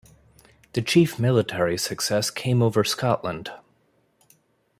The chief military success came over Scotland.